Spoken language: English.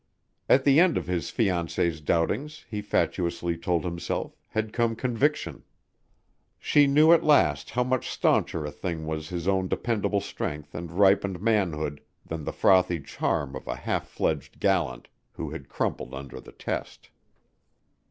At the end of his fiancée's doubtings, he fatuously told himself, had come conviction. She knew at last how much stauncher a thing was his own dependable strength and ripened manhood than the frothy charm of a half fledged gallant who had crumpled under the test.